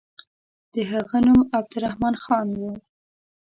د هغه نوم عبدالرحمن خان وو.